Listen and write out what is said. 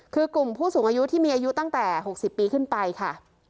คือกลุ่มผู้สูงอายุที่มีอายุตั้งแต่๖๐ปีขึ้นไปค่ะ